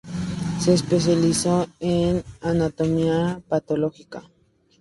Se especializó en anatomía patológica.